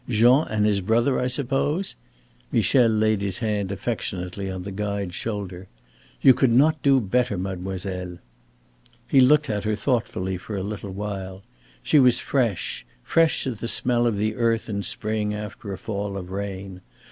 Jean and his brother, I suppose?" Michel laid his hand affectionately on the guide's shoulder. "You could not do better, mademoiselle." He looked at her thoughtfully for a little while. She was fresh fresh as the smell of the earth in spring after a fall of rain.